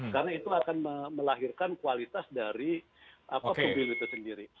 karena itu akan melahirkan kualitas dari mobil itu sendiri